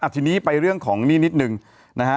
ทีนี้ไปเรื่องของหนี้นิดนึงนะฮะ